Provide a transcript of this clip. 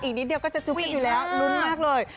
อีกนิดเดียวก็จะจุ๊บกันอยู่แล้วลุ้นมากเลย